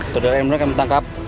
saudara imran kami tangkap